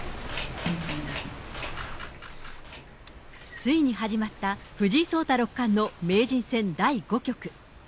ついに始まった藤井聡太六冠の名人戦第５局。